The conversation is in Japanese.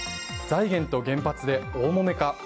財源と原発で大もめか。